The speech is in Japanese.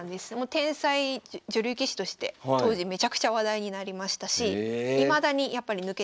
天才女流棋士として当時めちゃくちゃ話題になりましたしいまだにやっぱり抜けてないです。